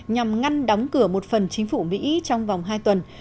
nhằm ngăn đóng cửa một phần chính phủ mỹ trong vòng hai tuần